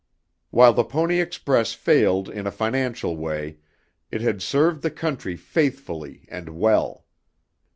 While the Pony Express failed in a financial way; it had served the country faithfully and well.